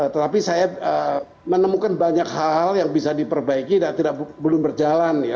tetapi saya menemukan banyak hal yang bisa diperbaiki dan belum berjalan ya